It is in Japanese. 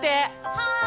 はい！